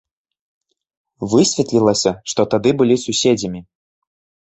Высветлілася, што тады былі суседзямі.